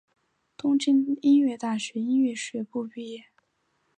东京音乐大学音乐学部毕业。